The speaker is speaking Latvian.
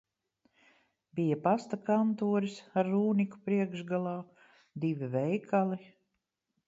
Bija pasta kantoris ar Rūniku priekšgalā, divi veikali.